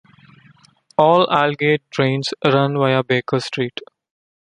All Aldgate trains run via Baker Street.